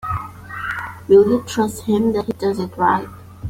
Will you trust him that he does it right?